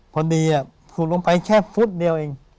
พอดีขุดลงไปแค่ฟุตเดียวเอง